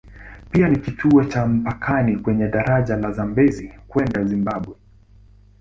Pia ni kituo cha mpakani kwenye daraja la Zambezi kwenda Zimbabwe.